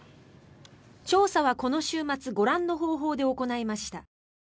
調査はこの週末ご覧の方法で行いました。